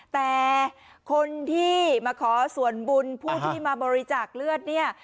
แต่คนที่มาขอส่วนบุญผู้ที่มาบริจาคเลือดเนี่ย